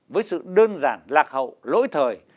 với sự đơn giản lạc hậu lỗi thời